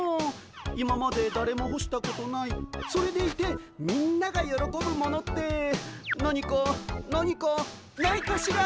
今までだれもほしたことないそれでいてみんながよろこぶものって何か何かないかしら。